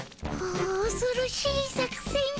おおそろしい作戦っピ。